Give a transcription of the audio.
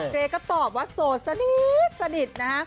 เกรก็ตอบว่าโสดสนิทนะฮะ